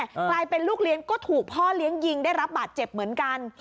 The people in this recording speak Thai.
กลายเป็นลูกเลี้ยงก็ถูกพ่อเลี้ยงยิงได้รับบาดเจ็บเหมือนกัน